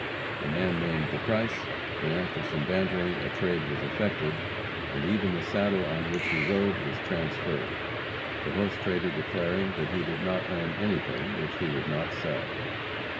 The man named the price, and, after some bantering, a trade was effected, and even the saddle on which he rode was transferred, the horse trader declaring that he did not own anything which he would not sell.